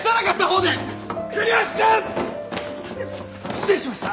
失礼しました。